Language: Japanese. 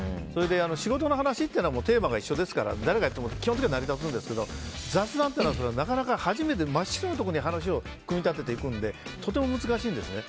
仕事の話っていうのはテーマが一緒ですから誰がやっても基本的に成り立ちますが雑談はなかなか初めて真っ白のところから話を組み立てていくのでとても難しいんですよね。